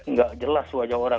nggak jelas wajah orang